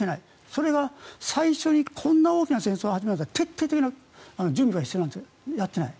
それが最初にこんな大きな戦争を始めるんだったら徹底的な準備が必要なんですがやっていない。